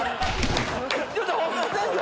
ちょっとホンマに先生！